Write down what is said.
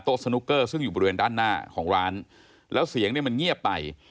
สนุกเกอร์ซึ่งอยู่บริเวณด้านหน้าของร้านแล้วเสียงเนี่ยมันเงียบไป